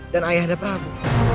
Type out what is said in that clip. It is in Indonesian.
dan ayahda prabu